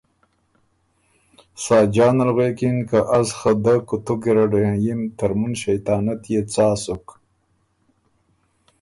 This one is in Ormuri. ساجان ال غوېکِن که از خه دۀ کُوتُو ګیرډ هېنيِم ترمُن ݭېطانت يې څا سُک؟